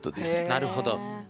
なるほど。